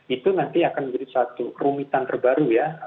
itu nanti akan menjadi satu rumitan terbaru ya